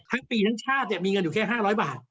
ทั้งปีทั้งชาติเนี่ยมีเงินอยู่แค่๕๐๐บาท